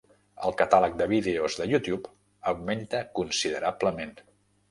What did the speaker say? El catàleg de vídeos de YouTube augmenta considerablement